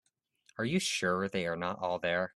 Are you sure they are not all there?